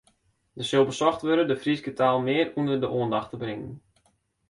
Der sil besocht wurde de Fryske taal mear ûnder de oandacht te bringen.